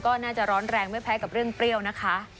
ก็น่าจะร้อนแรงไม่แพ้กับเรื่องเปรี้ยวนะคะ